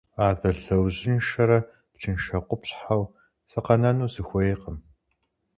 Адэ лъэужьыншэрэ лыншэ къупщхьэу сыкъэнэну сыхуейкъым.